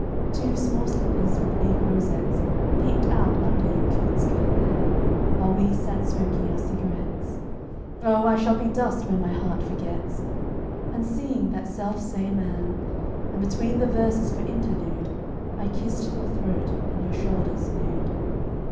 Two small slippers with big rosettes Peeped out under your kilt skirt there, While we sat smoking our cigarettes (Oh, I shall be dust when my heart forgets') And singing that self same an, And between the verses, for interlude, I kissed your throat and your shoulders nude.